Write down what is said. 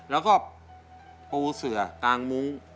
แล้วก็ปูเสือกางมุ้ง